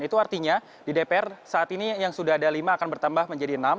itu artinya di dpr saat ini yang sudah ada lima akan bertambah menjadi enam